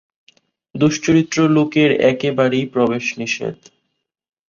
দুশ্চরিত্র লোকের একেবারেই প্রবেশ নিষেধ।